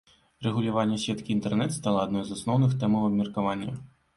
Рэгуляванне сеткі інтэрнэт стала адной з асноўных тэмаў абмеркавання.